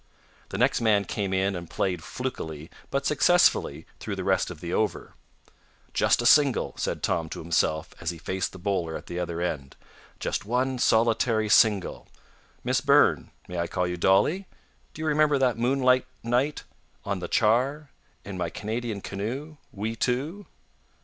The next man came in and played flukily but successfully through the rest of the over. "Just a single," said Tom to himself as he faced the bowler at the other end. "Just one solitary single. Miss Burn may I call you Dolly? Do you remember that moonlight night? On the Char? In my Canadian canoe? We two?"